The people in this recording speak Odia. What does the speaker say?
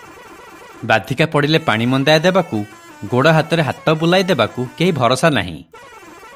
ବାଧିକା ପଡ଼ିଲେ ପାଣି ମନ୍ଦାଏ ଦେବାକୁ, ଗୋଡ଼ ହାତରେ ହାତ ବୁଲାଇ ଦେବାକୁ କେହି ଭରସା ନାହିଁ ।